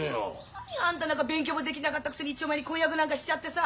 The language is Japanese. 何よあんたなんか勉強もできなかったくせに一丁前に婚約なんかしちゃってさ。